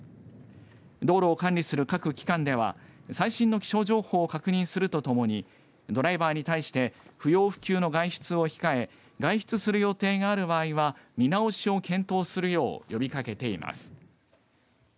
道路を管理する各機関では最新の気象情報を確認するとともにドライバーに対して不要不急の外出を控え外出する予定がある場合は見直しを検討するよう呼び掛けています。